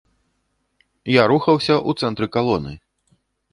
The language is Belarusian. Я рухаўся ў цэнтры калоны.